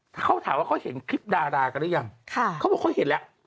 แต่เขาถามว่าเขาเห็นคลิปดารากันหรือยังเขาบอกเขาเห็นแล้ว